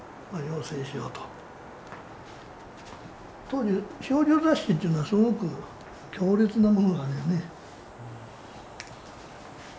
当時少女雑誌っていうのはすごく強烈なものがあるよね。